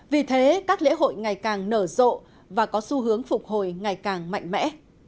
vì thế các lễ hội ngày càng nở rộ và có xu hướng phục hồi ngày càng mạnh mẽ